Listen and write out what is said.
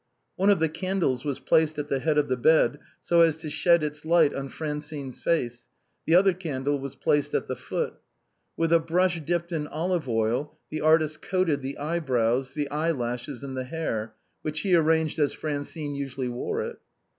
One of the candles was placed at the head of the bed so as to shed its light on Francine's face, the other candle was placed at the foot. With a brush dipped in olive oil the artist coated the eye brows, the eye lashes and the hair, which he arranged as Francine usually wore it.